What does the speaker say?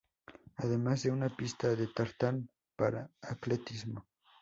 Además de una pista de tartán para atletismo.